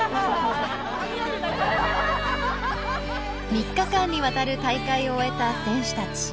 ３日間にわたる大会を終えた選手たち。